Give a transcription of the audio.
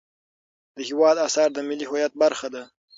د هېواد اثار د ملي هویت برخه ده.